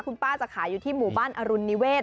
คุณป้าจะขายอยู่ที่หมู่บ้านอรุณนิเวศ